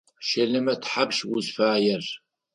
Щэлэмэ тхьапш узфаер?